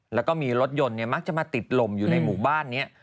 แล้วก็มีรถยนต์มักจะมาติดลมอยู่ในหมู่บ้านนี้